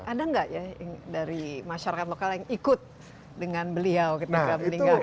ada nggak ya dari masyarakat lokal yang ikut dengan beliau ketika meninggalkan